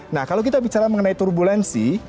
nah kalau kita bicara mengenai turbulensi